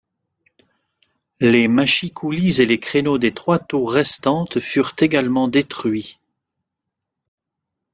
Les mâchicoulis et les créneaux des trois tours restantes furent également détruits.